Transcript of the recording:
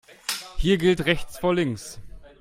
Hier gilt rechts vor links.